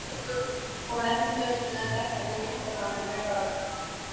Población situada en la Alta Cerdaña junto al río Carol.